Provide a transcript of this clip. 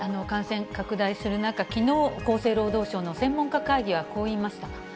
感染拡大する中、きのう、厚生労働省の専門家会議はこう言いました。